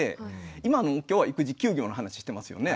今今日は育児休業の話してますよね。